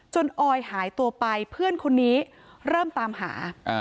ออยหายตัวไปเพื่อนคนนี้เริ่มตามหา